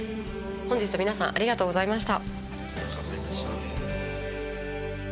本日は皆さんありがとうございました。